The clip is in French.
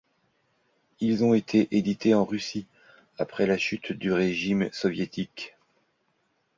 Ils ont été édités en Russie, après la chute du régime soviétique.